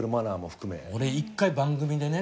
俺一回番組でね